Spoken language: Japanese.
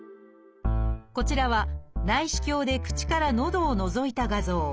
こちらは内視鏡で口からのどをのぞいた画像。